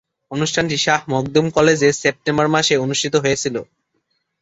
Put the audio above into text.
অনুষ্ঠানটি শাহ মখদুম কলেজে সেপ্টেম্বর মাসে অনুষ্ঠিত হয়েছিলো।